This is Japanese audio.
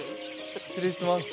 失礼します。